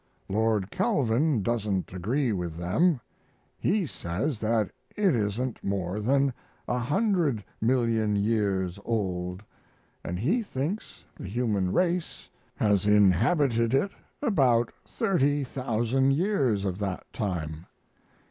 Lord Kelvin doesn't agree with them. He says that it isn't more than a hundred million years old, and he thinks the human race has inhabited it about thirty thousand years of that time.